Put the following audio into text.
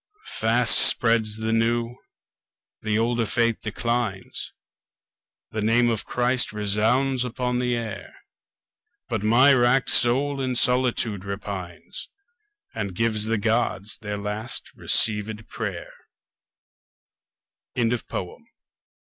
Fast spreads the new; the older faith declines. The name of Christ resounds upon the air. But my wrack'd soul in solitude repines And gives the Gods their last receivèd pray'r. Retrieved from "https://en.